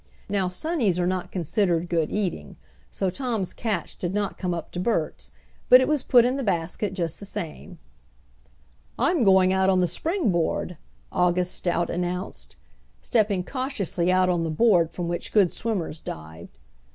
Now "sunnies" are not considered good eating, so Tom's catch did not come up to Bert's, but it was put in the basket just the same. "I'm going out on the springboard," August Stout announced, stepping cautiously out on the board from which good swimmers dived.